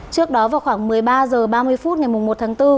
trước đó vào khoảng một mươi ba h ba mươi phút ngày một tháng bốn